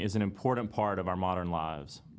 apakah perusahaan anda akan berkontribusi